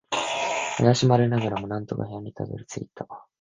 怪しまれながらも、なんとか部屋にたどり着いた。